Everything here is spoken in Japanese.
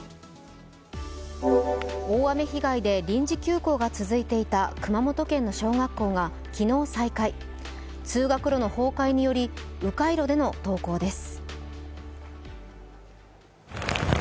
大雨被害で臨時休校が続いていた熊本県の小学校が昨日再開、通学路の崩壊により、う回路での登校です。